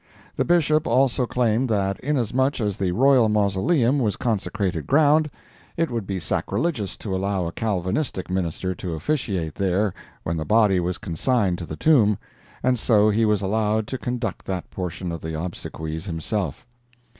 The Bishop also claimed that inasmuch as the Royal Mausoleum was consecrated ground, it would be sacrilegious to allow a Calvinistic minister to officiate there when the body was consigned to the tomb, and so he was allowed to conduct that portion of the obsequies himself.